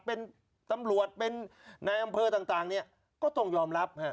เป็นตำรวจเป็นนายอำเภอต่างเนี่ยก็ต้องยอมรับ